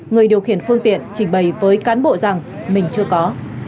người điều khiển phương tiện trình bày với cán bộ rằng mình chưa có